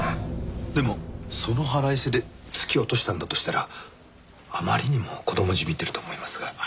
でもその腹いせで突き落としたんだとしたらあまりにも子供じみてると思いますが。